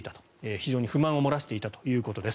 非常に不満を漏らしていたということです。